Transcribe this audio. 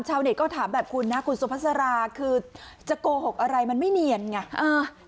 เน็ตก็ถามแบบคุณนะคุณสุภาษาราคือจะโกหกอะไรมันไม่เนียนไงเออ